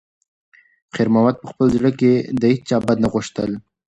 خیر محمد په خپل زړه کې د هیچا بد نه غوښتل.